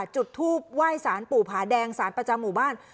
จุดทูปไหว้สารปู่ผาแดงสารประจำหมู่บ้าน